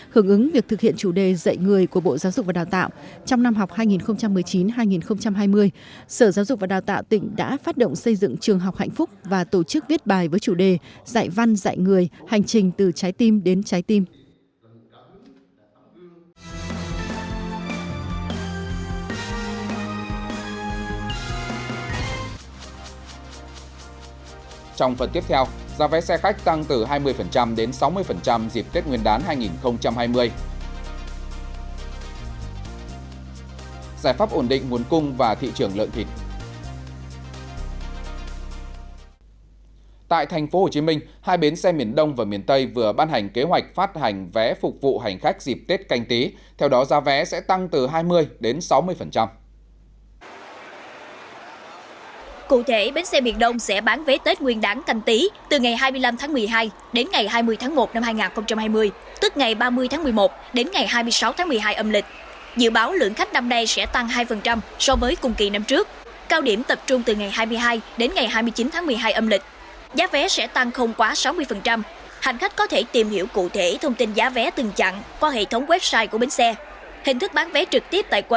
hưởng ứng việc thực hiện chủ đề dạy người của bộ giáo dục và đào tạo trong năm học hai nghìn một mươi chín hai nghìn hai mươi sở giáo dục và đào tạo tỉnh đã phát động xây dựng trường học hạnh phúc và tổ chức viết bài với chủ đề dạy văn dạy người hành trình từ trái tim đến trái tim